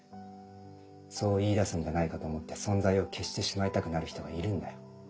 そう言い出すんじゃないかと思って存在を消してしまいたくなる人がいるんだよ。